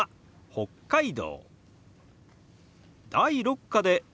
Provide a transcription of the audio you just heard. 「北海道」。